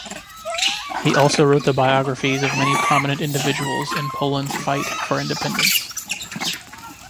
He also wrote the biographies of many prominent individuals in Poland's fight for independence.